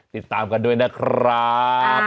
ติดตามกันด้วยนะครับ